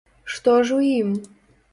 Што ж у ім?